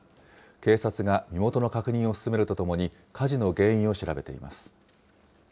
警察が身元の確認を進めるとともに、火事の原因を調べています。